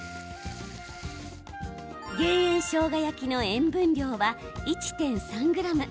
減塩しょうが焼きの塩分量は１．３ｇ。